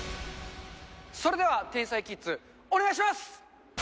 それでは天才キッズ、お願いします。